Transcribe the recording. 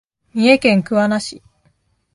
三重県桑名市